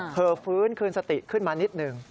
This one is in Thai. ฟื้นคืนสติขึ้นมานิดหนึ่ง